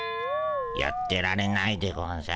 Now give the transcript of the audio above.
やってられないでゴンス。